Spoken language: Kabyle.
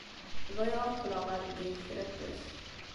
Bɣiɣ ad qqleɣ ɣer Bgayet kra n wass.